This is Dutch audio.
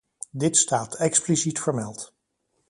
Dit staat expliciet vermeld.